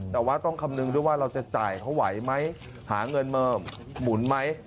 แต่ว่าต้องคำนึงด้วยว่าเราจะจ่ายเขาไหวไหมหาเงินมาหมุนไหม